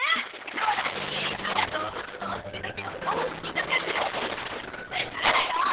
しょうらいみんながどうぶつのおしりだけをおっきくかくようにってならないよ！